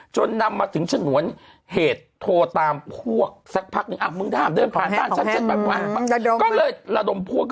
จนนำมาถึงฉะนวนเหตุโทรตามพวกสักพักนึงอ้าวมึงถ้าห้ามเดินผ่านต้านฉะนั้นก็เลยละดมพวก